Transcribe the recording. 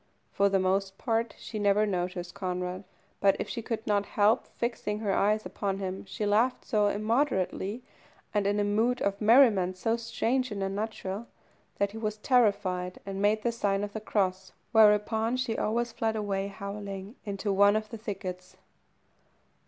For the most part she never noticed Conrad, but if she could not help fixing her eyes upon him, she laughed so immoderately, and in a mood of merriment so strange and unnatural, that he was terrified and made the sign of the cross, whereupon she always fled away, howling, into one of the thickets.